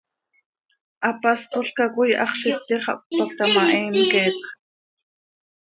Hapáspolca coi hax z iti xah cötpacta ma, he mqueetx.